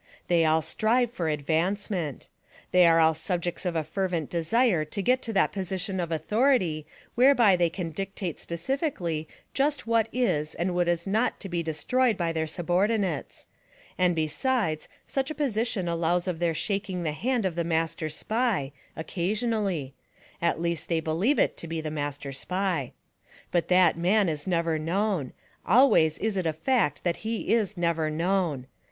They all strive for advancement. They are all subjects of a fervent desire to get to that position of authority whereby they can dictate specifically just what is and is not to be destroyed by their subordinates ; and, besides, such a position allows of their shaking the hand of the Master Spy — occasionally; at least they believe it to be the Master Spy. But that man is never known ; always is it a fact that he is never known.